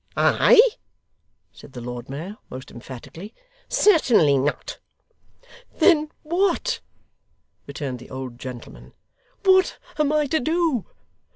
'I!' said the Lord Mayor, most emphatically: 'Certainly not.' 'Then what,' returned the old gentleman, 'what am I to do?